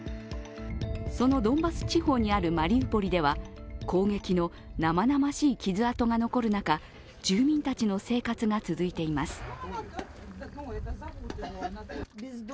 そのドンバス地方にあるマリウポリでは攻撃の生々しい傷痕が残る中住民たちの生活が続いています。